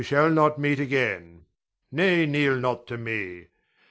We shall not meet again. Nay, kneel not to me.